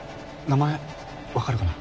名前わかるかな？